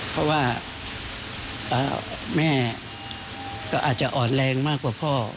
เพราะว่าแม่ก็อาจจะอ่อนแรงมากกว่าพ่อ